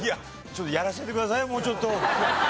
ちょっとやらせてくださいよもうちょっと。